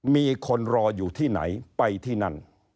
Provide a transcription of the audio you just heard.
มีคนรออยู่ที่ไหนไปที่นั่น